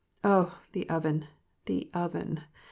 Oh, the oven, the oven